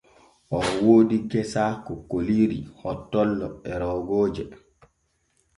Oo woodi gesa kokkoliiri, hottollo e roogooje.